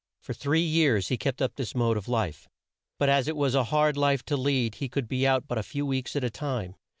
For three years he kept up this mode of life, but as it was a hard life to lead he could be out but a few weeks at a time.